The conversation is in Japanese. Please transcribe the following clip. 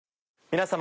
皆様。